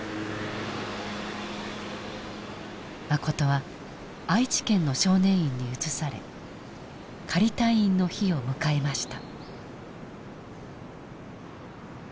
マコトは愛知県の少年院に移され仮退院の日を迎えました。